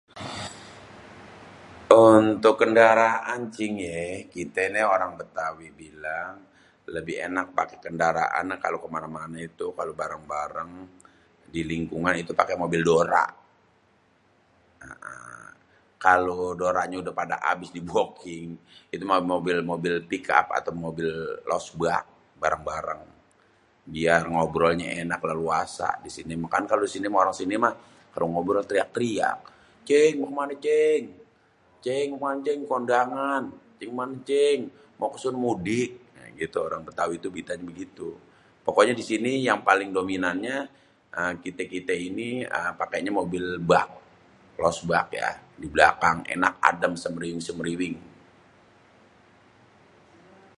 untuk kendaraan encing yéé.. kité nih orang betawi bilang lebih enak paké kendaraan kalo kemana-mana itu kalo bareng-bareng di lingkungan itu paké mobil dora.. kalo doranya udah pada abis diboking, itu mah mobil-mobil pick-up atau mobil los bak baréng-baréng biar ngomongnya ènak leluasa di sini.. kan di sini mah kalo orang sini mah kalo ngobrol tèrèak-tèrèak.. cing mau kemanè cingg.. cing mau kemanè cingg mau kondangan cing manè cingg mau kèsono mudik.. nah gitu orang betawi kita tu gitu.. pokoknyè di sini yang paling dominannya uhm kitè-kitè ini uhm pakènya mobil bak losbak yak di belakang enak adèm sèmriwing-sèmriwing..